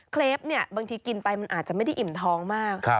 เคลปบางทีกินไปมันอาจจะไม่ได้อิ่มท้องมาก